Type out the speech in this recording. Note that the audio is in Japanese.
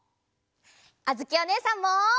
あづきおねえさんも！